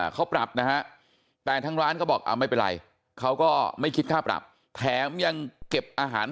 เขาปรับนะฮะแต่ทางร้านก็บอกไม่เป็นไรเขาก็ไม่คิดค่าปรับแถมยังเก็บอาหาร